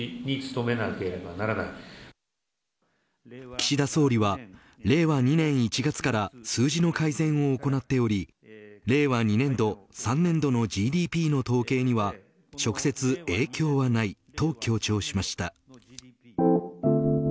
岸田総理は令和２年１月から数字の改善を行っており令和２年度３年度のＧＤＰの統計には直接影響はないと強調しました。